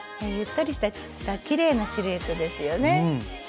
ゆったりしたきれいなシルエットですよね。